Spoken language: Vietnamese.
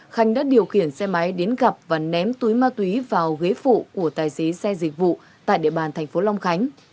khánh đã điều khiển xe máy đến gặp và ném túi má túy vào ghế phụ của tài xế xe dịch vụ tại địa bàn tp long khánh